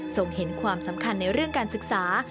เห็นความสำคัญในเรื่องการศึกษา